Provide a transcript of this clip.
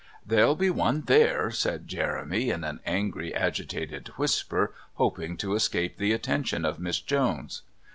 "There'll be one there," said Jeremy in an angry agitated whisper, hoping to escape the attention of Miss Jones.